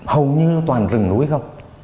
hầu như toàn rừng núi không